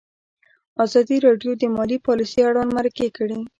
ازادي راډیو د مالي پالیسي اړوند مرکې کړي.